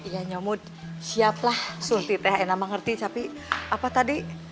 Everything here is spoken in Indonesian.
ya nyamut siap lah surti teh enak mengerti tapi apa tadi